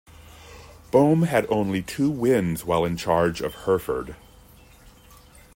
Bohme had only two wins while in charge of Herford.